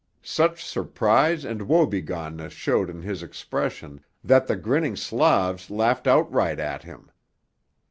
Such surprise and wobegoneness showed in his expression that the grinning Slavs laughed outright at him.